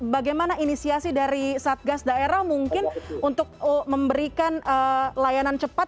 bagaimana inisiasi dari satgas daerah mungkin untuk memberikan layanan cepat